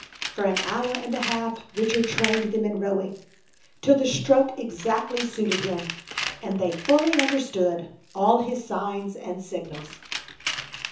For an hour and a half Richard trained them in rowing, till the stroke exactly suited him, and they fully understood all his signs and signals.